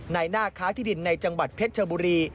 ในหน้าค้าที่ดินในจังหวัดเพชรชบุรี